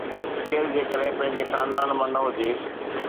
ڪير جيڪڏهن پنهنجي خاندان مان نه هجي.